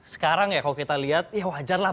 sekarang ya kalau kita lihat ya wajar lah